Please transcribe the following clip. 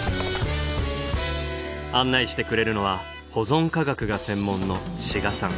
案内してくれるのは保存科学が専門の志賀さん。